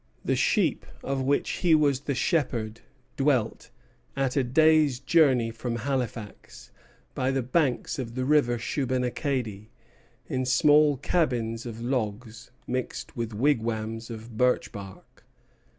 The sheep of which he was the shepherd dwelt, at a day's journey from Halifax, by the banks of the River Shubenacadie, in small cabins of logs, mixed with wigwams of birch bark.